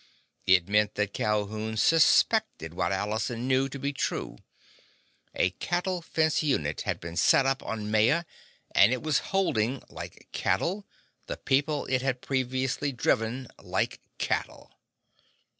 It meant that Calhoun suspected what Allison knew to be true. A cattle fence unit had been set up on Maya, and it was holding—like cattle—the people it had previously driven—like cattle.